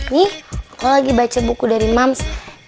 nih aku lagi baca buku dari mams